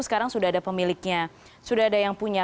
sekarang sudah ada pemiliknya sudah ada yang punya